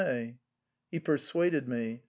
He persuaded me.